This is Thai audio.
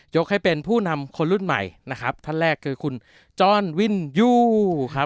ให้เป็นผู้นำคนรุ่นใหม่นะครับท่านแรกคือคุณจ้อนวินยู่ครับ